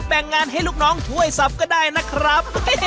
แบ่งงานให้ลูกน้องช่วยสับก็ได้นะครับ